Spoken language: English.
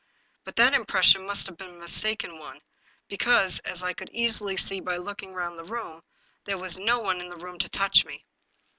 But that impression must have been a mis taken one, because, as I could easily see by looking round the room, there was no one in the room to touch me.